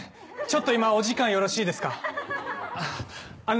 ちょっと今お時間よろしいですか？